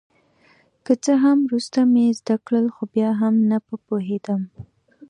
که څه هم وروسته مې زده کړل خو بیا هم نه په پوهېدم.